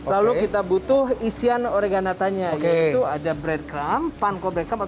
lalu kita butuh isian oreganatanya yaitu ada breadcrumb panko breadcrumb